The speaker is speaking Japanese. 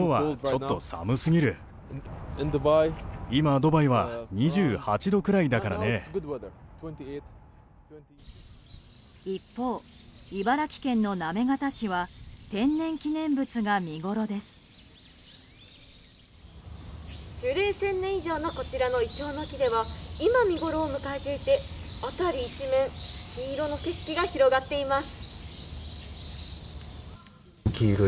樹齢１０００年以上のこちらのイチョウの木では今、見ごろを迎えていて辺り一面黄色の景色が広がっています。